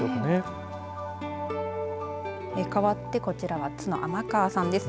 かわってこちらは津の天川さんです。